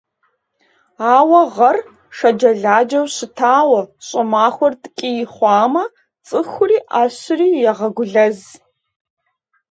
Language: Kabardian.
Ауэ гъэр шэджэладжэу щытауэ, щӀымахуэр ткӀий хъуамэ, цӀыхури Ӏэщри егъэгулэз.